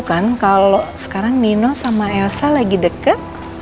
kalau sekarang nino sama elsa lagi dekat